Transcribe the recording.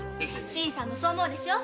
新さんもそうでしょ